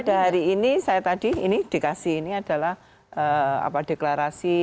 pada hari ini saya tadi ini dikasih ini adalah deklarasi